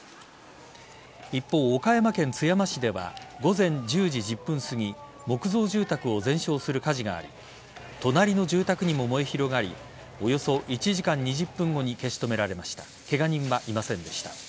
一方、岡山県津山市では午前１０時１０分すぎ木造住宅を全焼する火事があり隣の住宅にも燃え広がりおよそ１時間２０分後に消し止められました。